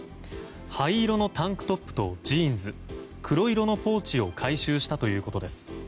灰色のタンクトップとジーンズ黒色のポーチを回収したということです。